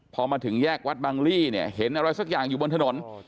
พอมาถึงแยกวัดบังลี่เนี่ยเห็นอะไรสักอย่างอยู่บนถนน